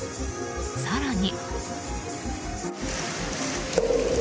更に。